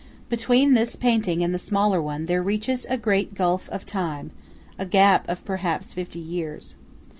Between this painting and the smaller one, there reaches a great gulf of time–a gap of perhaps fifty years.